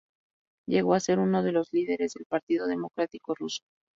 Llegó a ser uno de los líderes del Partido Democrático Ruso.